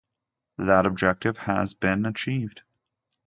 That objective has been achieved.